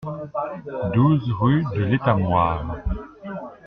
douze rue de l'Etamoire